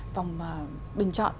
vòng bình chọn